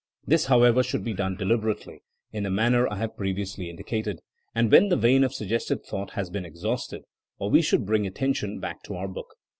This however should be done deliberately, in the manner I have previously in dicated, and when the vein of suggested thought has been exhausted we should bring attention back to our book.